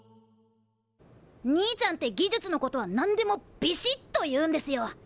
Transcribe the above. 兄ちゃんって技術のことは何でもびしっと言うんですよ。